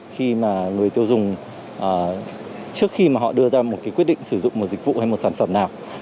khi mà người tiêu dùng trước khi mà họ đưa ra một cái quyết định sử dụng một dịch vụ hay một sản phẩm nào